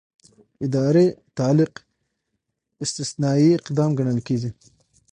اداري تعلیق استثنايي اقدام ګڼل کېږي.